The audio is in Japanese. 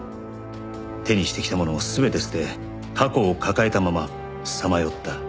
手にしてきたものを全て捨て過去を抱えたままさまよった。